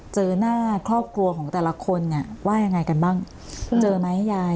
เจอหน้าครอบครัวของแต่ละคนเนี่ยว่ายังไงกันบ้างเจอไหมยาย